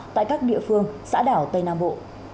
tại các địa phương xã đảo tây nam bộ